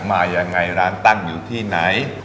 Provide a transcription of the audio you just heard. มายังไงร้านตั้งอยู่ที่ไหน